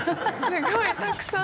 すごいたくさん。